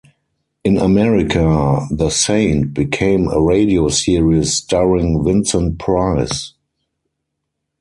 In America, "The Saint" became a radio series starring Vincent Price.